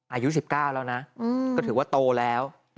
อายุ๑๙แล้วนะก็ถือว่าโตแล้ว